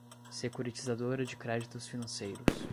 Securitizadora de Créditos Financeiros